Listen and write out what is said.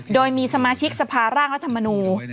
โดยมีสมาชิกสภาร่างรัฐมนูล